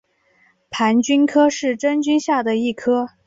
盘菌科是真菌下的一个科。